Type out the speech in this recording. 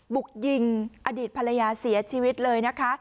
บุกยิงอดีตภรรยาเสียชีวิตเลยนะคะ